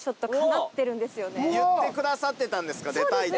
言ってくださってたんですか出たいって。